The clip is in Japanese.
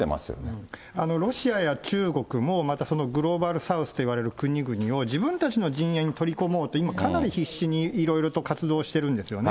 ロシアや中国も、またそのグローバルサウスと呼ばれる国々を自分たちの陣営に取り込もうと今かなり必死にいろいろと活動しているんですよね。